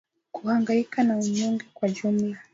Kuhangaika na unyonge kwa jumla